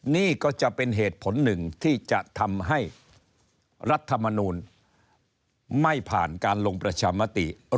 นี่ก็จะเป็นเหตุผลหนึ่งที่จะทำให้รัฐมนูลไม่ผ่านการลงประชามติ